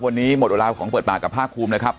วันนี้หมดเวลาของเปิดปากกับภาคภูมินะครับ